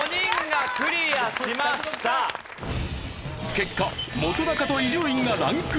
結果本と伊集院がランクダウン。